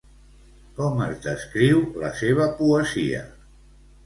Com es descriu la seva poesia?